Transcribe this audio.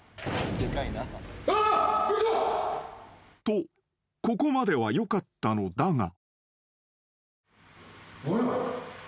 ［とここまではよかったのだが］